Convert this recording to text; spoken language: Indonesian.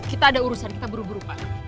kita ada urusan kita buru buru pak